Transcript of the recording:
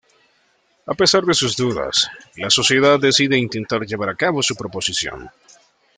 A pesar de sus dudas, la sociedad decide intentar llevar a cabo su proposición.